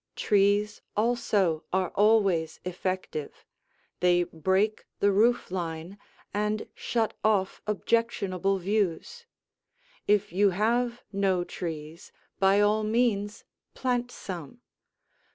Trees also are always effective; they break the roof line and shut off objectionable views. If you have no trees, by all means plant some.